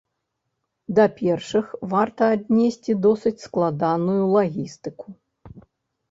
Да першых варта аднесці досыць складаную лагістыку.